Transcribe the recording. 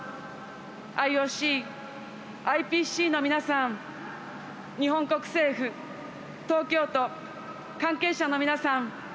ＩＯＣ、ＩＰＣの皆さん日本国政府、東京都関係者の皆さん